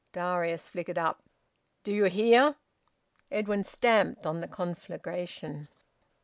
Darius flickered up. "Do you hear?" Edwin stamped on the conflagration.